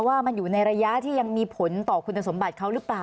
ว่ามันอยู่ในระยะที่ยังมีผลต่อคุณสมบัติเขาหรือเปล่า